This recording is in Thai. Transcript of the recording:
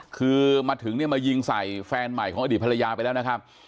คือมาถึงเนี่ยมายิงใส่แฟนใหม่ของอดีตภรรยาไปแล้วนะครับ